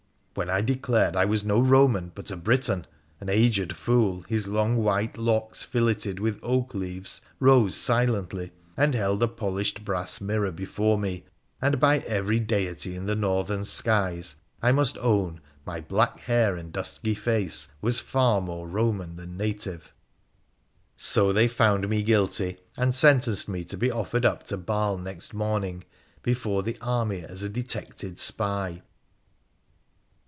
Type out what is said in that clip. When I declared I was no Roman, but a Briton — an aged fool, his long white locks filleted with oak leaves, rose silently and held a polished brass mirror before me, and by every deity in the Northern skies I must own my black hair and dusky face was far more Roman than native. So they found me guilty, and sentenced me to be offered up to Baal next morning before the army as a detected spy.